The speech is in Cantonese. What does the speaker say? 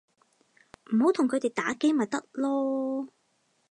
唔好同佢哋打機咪得囉